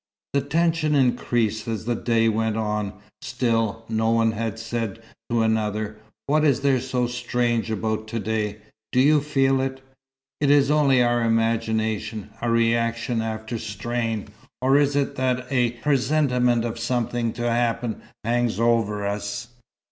The tension increased as the day went on; still, no one had said to another, "What is there so strange about to day? Do you feel it? Is it only our imagination a reaction after strain, or is it that a presentiment of something to happen hangs over us?"